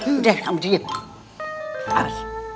udah kamu diam